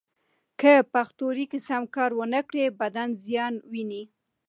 که پښتورګي سم کار و نه کړي، بدن زیان ویني.